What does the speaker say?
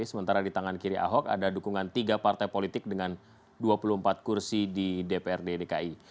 sementara di tangan kiri ahok ada dukungan tiga partai politik dengan dua puluh empat kursi di dprd dki